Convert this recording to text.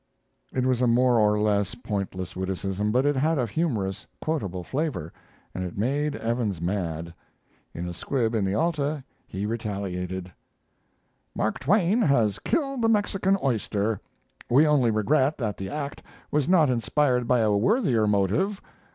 It was a more or less pointless witticism, but it had a humorous quotable flavor, and it made Evans mad. In a squib in the Alta he retaliated: Mark Twain has killed the Mexican oyster. We only regret that the act was not inspired by a worthier motive.